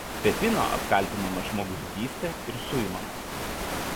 Pepino apkaltinamas žmogžudyste ir suimamas.